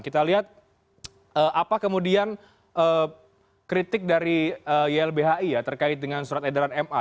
kita lihat apa kemudian kritik dari ylbhi ya terkait dengan surat edaran ma